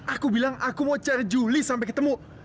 aku bilang aku mau cari juli sampai ketemu